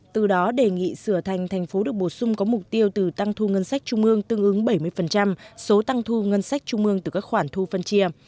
từ đó đề nghị sửa thành thành phố được bổ sung có mục tiêu từ tăng thu ngân sách trung ương tương ứng bảy mươi số tăng thu ngân sách trung ương từ các khoản thu phân chia